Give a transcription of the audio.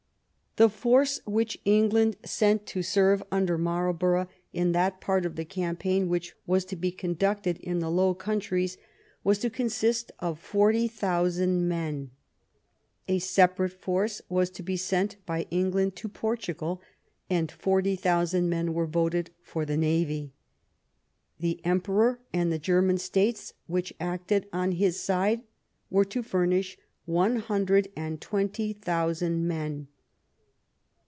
The force which England sent to serve under Marl borough in that part of the campaign which was to be conducted in the Low Countries was to consist of forty thousand men. A separate force was to be sent by England to Portugal, and forty thousand men were voted for the navy. The Emperor, and the Ger man states which acted on his side, were to furnish one hundred and twenty thousand men.